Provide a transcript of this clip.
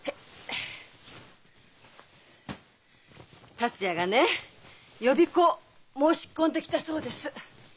達也がね予備校申し込んできたそうです。